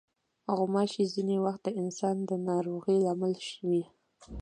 غوماشې ځینې وخت د انسان د ناروغۍ لامل وي.